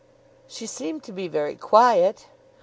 "She seemed to be very quiet."